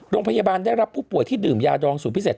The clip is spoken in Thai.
โรงพยาบาลได้รับผู้ป่วยที่ดื่มยาดองสูตรพิเศษ